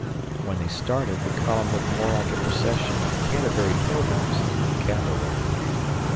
When they started, the column looked more like a procession of Canterbury Pilgrims than cavalry.